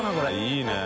いいね。